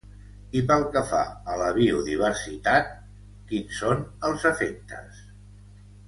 I pel que fa a la biodiversitat, quins són els efectes?